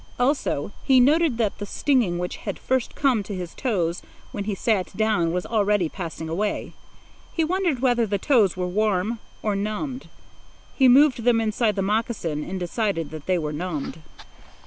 Also, he noted that the stinging which had first come to his toes when he sat down was already passing away. He wondered whether the toes were warm or numbed. He moved them inside the moccasins and decided that they were numbed.